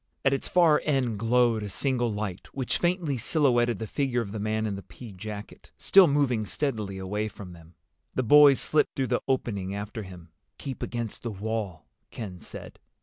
At its far end glowed a single light, which faintly silhouetted the figure of the man in the pea jacket, still moving steadily away from them. The boys slipped through the opening after him. "Keep against the wall," Ken said.